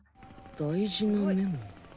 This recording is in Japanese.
大事なメモ。